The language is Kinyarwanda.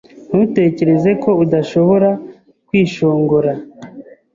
Ntutekereze ko udashobora kwishongora